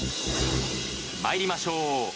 まいりましょう。